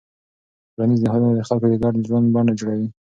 ټولنیز نهادونه د خلکو د ګډ ژوند بڼه جوړوي.